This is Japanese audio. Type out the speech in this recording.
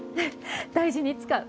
大事に使う。